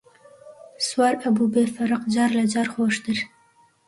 سوار ئەبوو بێ فەرق، جار لە جار خۆشتر